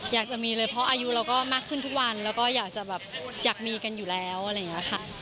อยากจะมีเลยเพราะอายุเราก็มากขึ้นทุกวันแล้วก็อยากจะแบบอยากมีกันอยู่แล้วอะไรอย่างนี้ค่ะ